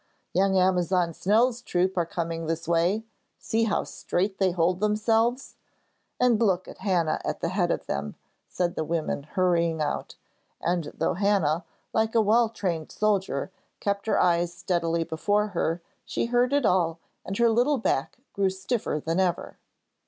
'Young Amazon Snell's troop are coming this way. See how straight they hold themselves! and look at Hannah at the head of them,' said the women, hurrying out; and though Hannah, like a well trained soldier, kept her eyes steadily before her, she heard it all and her little back grew stiffer than ever.